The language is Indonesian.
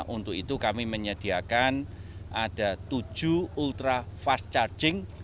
untuk itu kami menyediakan ada tujuh ultra fast charging